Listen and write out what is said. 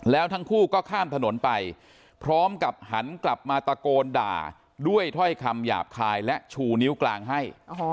แล้วทั้งคู่ก็ข้ามถนนไปพร้อมกับหันกลับมาตะโกนด่าด้วยถ้อยคำหยาบคายและชูนิ้วกลางให้